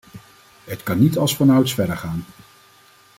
Het kan niet als vanouds verder gaan.